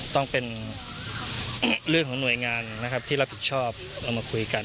ต้องเป็นเรื่องของหน่วยงานนะครับที่รับผิดชอบเรามาคุยกัน